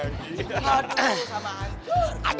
aduh sama ancur